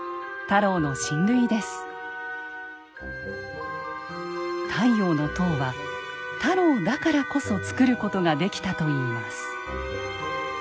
「太陽の塔」は太郎だからこそつくることができたといいます。